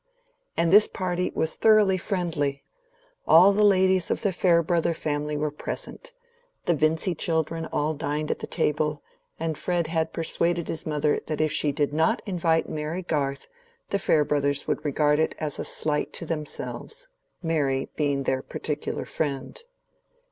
And this party was thoroughly friendly: all the ladies of the Farebrother family were present; the Vincy children all dined at the table, and Fred had persuaded his mother that if she did not invite Mary Garth, the Farebrothers would regard it as a slight to themselves, Mary being their particular friend.